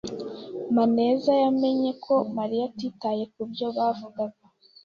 Maneza yamenye ko Mariya atitaye kubyo yavugaga.